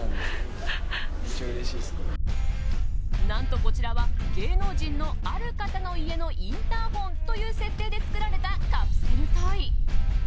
何とこちらは芸能人のある方の家のインターホンという設定で作られたカプセルトイ。